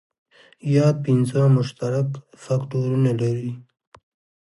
یاد پنځه مشترک فکټورونه لري.